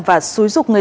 và xúi dục người